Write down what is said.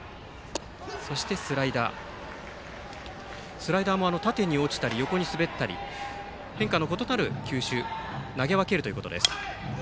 スライダーも縦に落ちたり横に滑ったり変化の異なる球種を投げ分けるということです。